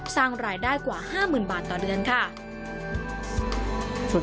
สร้างรายได้กว่า๕๐๐๐บาทต่อเดือนค่ะ